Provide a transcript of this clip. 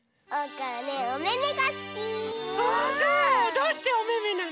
どうしておめめなの？